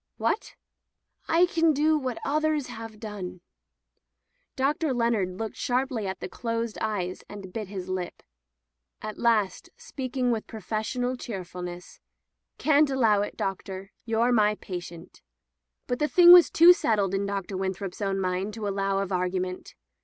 "What?" "I can do what others have done." Dr. Leonard looked sharply at the closed eyes and bit his lip. At last, speaking with professional cheerfulness, 'Xan't allow it, Doctor. You're my patient." But the thing was too settled in Dr. Win^ throp's own mind to allow of argument.